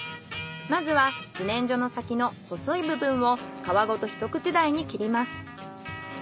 まずは自然薯の先の細い部分を皮ごとひと口大に切ります。